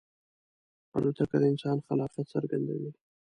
الوتکه د انسان خلاقیت څرګندوي.